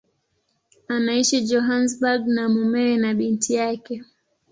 Anaishi Johannesburg na mumewe na binti yake.